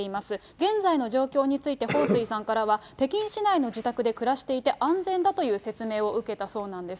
現在の状況について、彭帥さんからは、北京市内の自宅で暮らしていて、安全だという説明を受けたそうなんです。